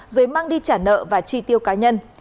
rồi mang đi trả nợ và chi tiêu cá nhân